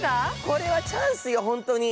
これはチャンスよ、本当に